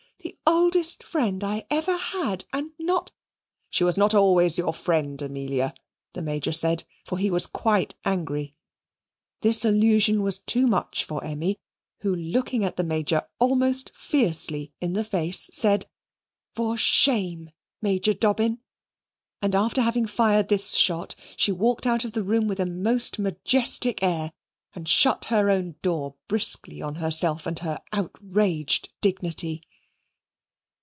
The oldest friend I ever had, and not " "She was not always your friend, Amelia," the Major said, for he was quite angry. This allusion was too much for Emmy, who, looking the Major almost fiercely in the face, said, "For shame, Major Dobbin!" and after having fired this shot, she walked out of the room with a most majestic air and shut her own door briskly on herself and her outraged dignity.